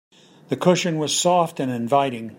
The cushion was soft and inviting.